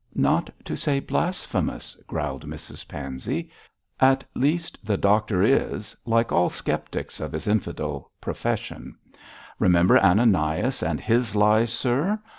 'Not to say blasphemous,' growled Mrs Pansey; 'at least, the doctor is, like all sceptics of his infidel profession. Remember Ananias and his lies, sir.'